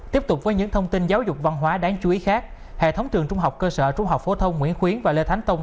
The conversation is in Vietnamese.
tiếp tục với những thông tin giáo dục văn hóa đáng chú ý khác hệ thống trường trung học cơ sở trung học phổ thông nguyễn khuyến và lê thánh tông